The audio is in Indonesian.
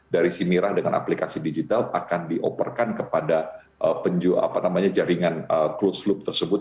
dari simirah dengan aplikasi digital akan diopperkan kepada jaringan closed loop tersebut